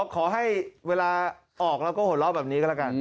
ขอให้เวลาออกแล้วก็หัวเราะแบบนี้ก็แล้วกัน